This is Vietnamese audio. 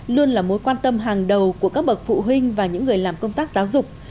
luôn là mối quan tâm hàng đầu của các bậc phụ huynh và những người làm công tác giáo dục